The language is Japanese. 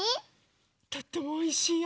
とってもおいしいよ。